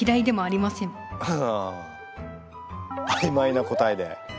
あいまいな答えで。